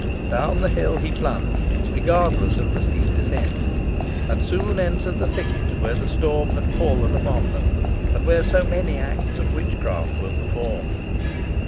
Down the hill he plunged, regardless of the steep descent, and soon entered the thicket where the storm had fallen upon them, and where so many acts of witchcraft were performed.